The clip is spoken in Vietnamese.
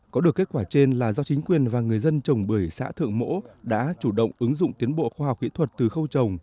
có được kết quả trên là do chính quyền và người dân trồng bưởi xã thượng mỗ đã chủ động ứng dụng tiến bộ khoa học kỹ thuật từ khâu trồng